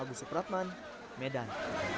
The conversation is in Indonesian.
agus supratman medan